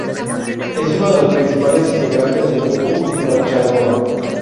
Es uno de los principales integrantes del Grupo Cultural Charrúa.